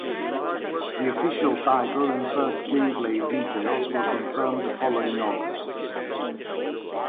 The official title and first gameplay details were confirmed the following August.